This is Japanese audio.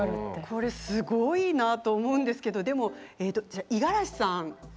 これすごいなと思うんですけどでも五十嵐さん